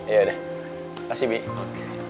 yaudah kasih bibi